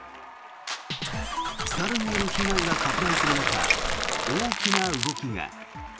猿による被害が拡大する中大きな動きが。